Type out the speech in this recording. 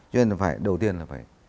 cho nên đầu tiên phải